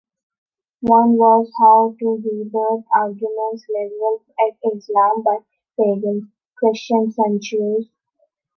One was how to rebut arguments "leveled at Islam by pagans, Christians and Jews".